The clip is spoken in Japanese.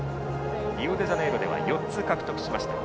リオデジャネイロでは４つ獲得。